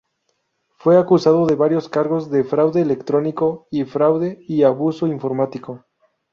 Fue acusado de varios cargos de fraude electrónico y fraude y abuso informático.